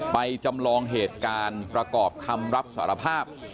จำลองเหตุการณ์ประกอบคำรับสารภาพ